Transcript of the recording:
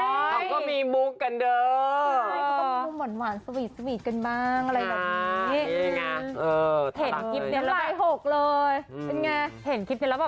หล่ะก็ไม่รู้ว่าจะงอนเขาปะ